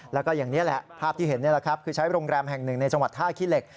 แล้วก็อย่างนี้แหละภาพที่เห็นนี่แหละครับคือใช้โรงแรมแห่งหนึ่งในจังหวัดท่าขี้เหล็ก